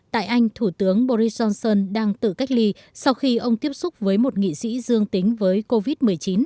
tại anh thủ tướng boris johnson đang tự cách ly sau khi ông tiếp xúc với một nghị sĩ dương tính với covid một mươi chín